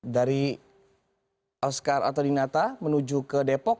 dari oto iskandar dinata menuju ke depok